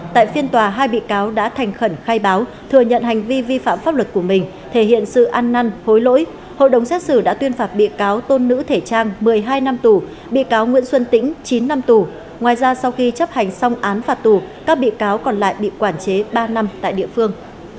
tại phiên tòa hai bị cáo đã thành khẩn khai báo thừa nhận hành vi vi phạm pháp luật của mình thể hiện sự ăn năn hối lỗi hội đồng xét xử đã tuyên phạt bị cáo tôn nữ thể trang một mươi hai năm tù bị cáo nguyễn xuân tĩnh chín năm tù ngoài ra sau khi chấp hành xong án phạt tù các bị cáo còn lại bị quản chế ba năm tại địa phương